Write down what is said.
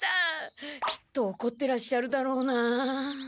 きっとおこってらっしゃるだろうな。